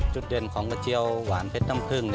จุดเด่นของกระเจียวหวานเพชรน้ำพึ่ง